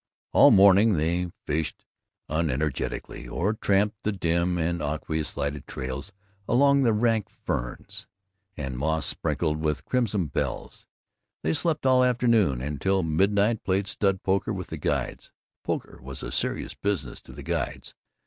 All morning they fished unenergetically, or tramped the dim and aqueous lighted trails among rank ferns and moss sprinkled with crimson bells. They slept all afternoon, and till midnight played stud poker with the guides. Poker was a serious business to the guides.